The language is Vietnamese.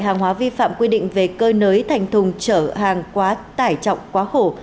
hàng hóa vi phạm quy định về cơ nới thành thùng chở hàng quá tải trọng quá khổ